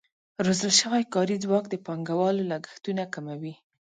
روزل شوی کاري ځواک د پانګوالو لګښتونه کموي.